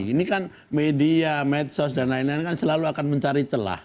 ini kan media medsos dan lain lain kan selalu akan mencari celah